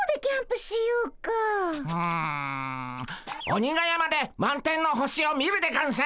鬼が山で満天の星を見るでゴンス！